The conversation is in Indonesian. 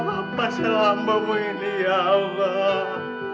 apa selamamu ini ya allah